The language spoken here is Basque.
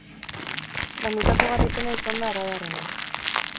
Landutako garaipena izan da arabarrena.